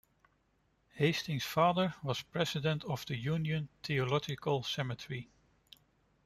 Hastings's father was president of the Union Theological Seminary.